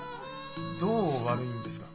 どう悪いんですか？